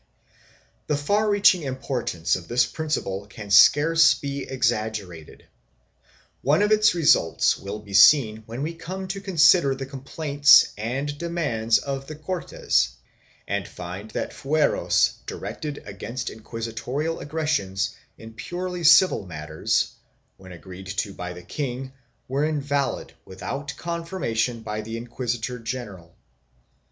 3 The far reaching importance of this principle can scarce be exaggerated. One of its results will be seen when we come to consider the complaints and demands of the Cortes and find that fueros directed against inquisitorial aggressions in purely civil matters, when agreed to by the king were invalid without confirmation by the inquisitor general.